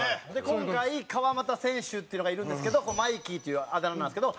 今回、川真田選手っていうのがいるんですけどマイキーというあだ名なんですけど。